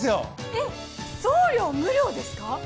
えっ送料無料ですか？